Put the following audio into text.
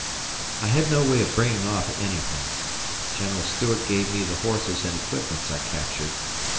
I had no way of bringing off anything. General Stuart gave me the horses and equipments I captured.